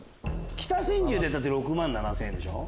北千住で６万７０００円でしょ。